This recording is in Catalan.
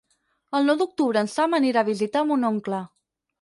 El nou d'octubre en Sam anirà a visitar mon oncle.